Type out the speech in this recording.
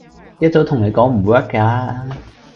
一早同你講唔 work 㗎啦